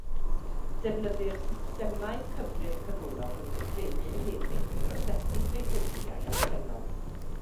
Defnyddir systemau cyfrif canolog yn gyffredin hefyd i brosesu pleidleisiau absennol.